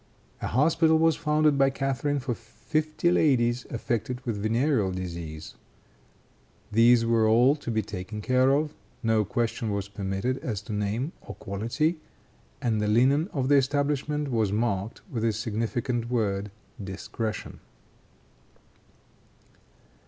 A hospital was founded by Catharine for fifty ladies affected with venereal disease. These were all to be taken care of; no question was permitted as to name or quality, and the linen of the establishment was marked with the significant word "discretion."